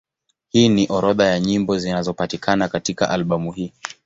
Hii ni orodha ya nyimbo zinazopatikana katika albamu hii.